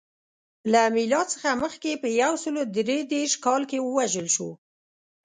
له میلاد څخه مخکې په یو سل درې دېرش کال کې ووژل شو.